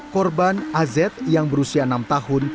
korban az yang berusia enam tahun